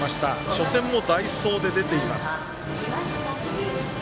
初戦も代走で出ています。